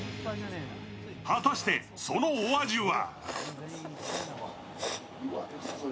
果たして、そのお味は？